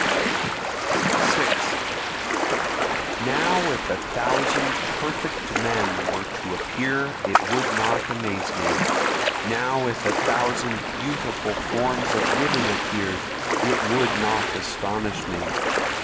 6 Now if a thousand perfect men were to appear it would not amaze me, Now if a thousand beautiful forms of women appear'd it would not astonish me.